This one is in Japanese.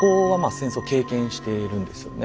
戦争経験しているんですよね。